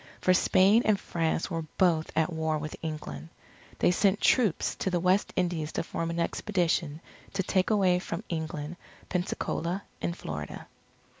For Spain and France were both at war with England. They sent troops to the West Indies to form an expedition to take away from England, Pensacola, in Florida.